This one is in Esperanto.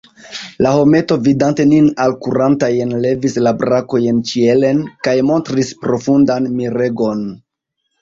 La hometo, vidante nin alkurantajn, levis la brakojn ĉielen, kaj montris profundan miregon.